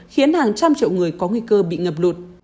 khiến hàng trăm triệu người có nguy cơ bị ngập lụt